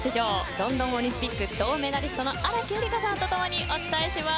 ロンドンオリンピック銅メダリストの荒木絵里香さんと共にお伝えします。